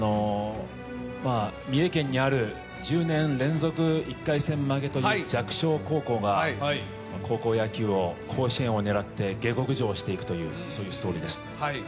三重県にある、１０年連続１回戦負けとい弱小の高校が高校野球を、甲子園を狙って下克上していくというストーリーです。